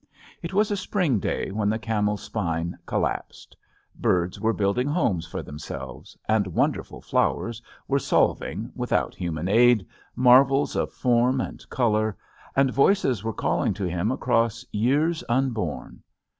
It was a spring day when the camel's spine collapsed. Birds were building homes for themselves, and wonderful flowers were solv ing, without human aid, marvels of form and color, and voices were calling to him across years unborn.